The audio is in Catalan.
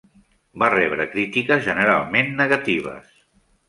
Va rebre crítiques generalment negatives.